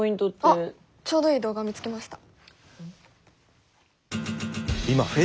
あっちょうどいい動画を見つけました。